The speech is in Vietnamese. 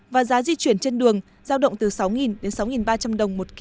và giá di chuyển trên đường giao động từ sáu đến sáu đồng